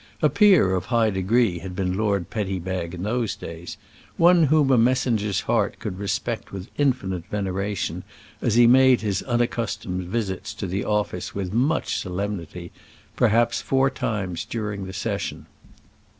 A peer of high degree had been Lord Petty Bag in those days; one whom a messenger's heart could respect with infinite veneration, as he made his unaccustomed visits to the office with much solemnity perhaps four times during the season.